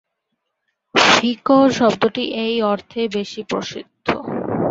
ফিকহ শব্দটি এই অর্থেই বেশি প্রসিদ্ধ।